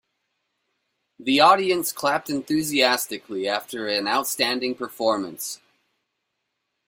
The audience clapped enthusiastically after an outstanding performance.